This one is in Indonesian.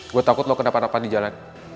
gue takut lo kena parapan di jalan